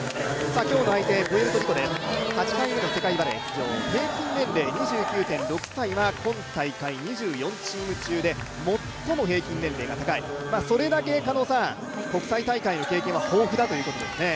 今日の相手、プエルトリコ、８回目の世界バレー、平均年齢２９．６歳は今大会２６チーム中で最も平均年齢が高い、それだけ国際大会の経験は豊富だということですね。